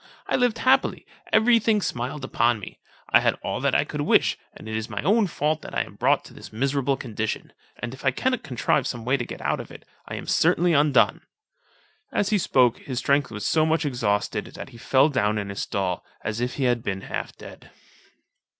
I lived happily, every thing smiled upon me; I had all that I could wish; it is my own fault that I am brought to this miserable condition; and if I cannot contrive some way to get out of it, I am certainly undone." As he spoke, his strength was so much exhausted that he fell down in his stall, as if he had been half dead.